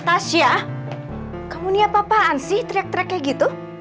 tasya kamu nih apa apaan sih teriak teriak kayak gitu